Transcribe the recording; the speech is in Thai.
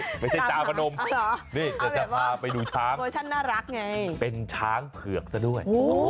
เอ๊ะไม่ใช่จาพนมนี่จะพาไปดูช้างโดยฉันน่ารักไงเป็นช้างเผือกซะด้วย